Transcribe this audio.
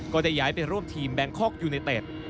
ก็ได้ย้ายไปร่วมทีมแบงคอกยูเนเต็ด